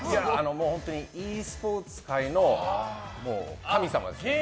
本当にｅスポーツ界の神様ですよ。